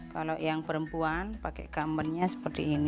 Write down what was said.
kalau yang perempuan pakai gambarnya seperti ini